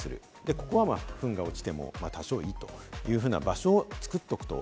ここはフンが落ちても、多少いいというふうな場所を作っておくと